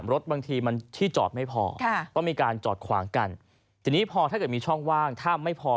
รถบางทีมันที่จอดไม่พอ